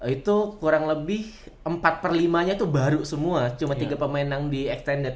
itu kurang lebih empat per limanya itu baru semua cuma tiga pemain yang di extended